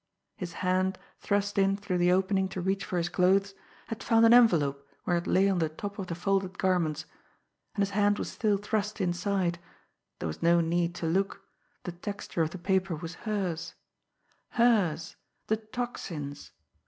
His hand, thrust in through the opening to reach for his clothes, had found an envelope where it lay on the top of the folded garments and his hand was still thrust inside there was no need to look the texture of the paper was hers hers the Tocsin's!